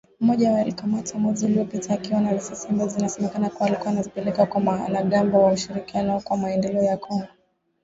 Mmoja wao alikamatwa mwezi uliopita akiwa na risasi ambazo inasemekana alikuwa akizipeleka kwa wanamgambo wa Ushirikiano kwa Maendelea ya Kongo.